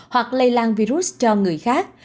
hoặc lây lan virus cho người khác